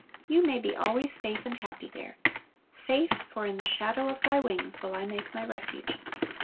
You may be always safe and happy there. Safe, for "in the shadow of Thy wings will I make my refuge."